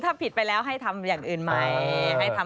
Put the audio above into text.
ถ้าผิดไปแล้วให้ทำอย่างอื่นไหม